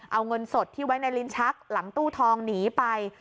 เอาเงินสดที่ไว้ในลิ้นชักหลังตู้ทองหนีไป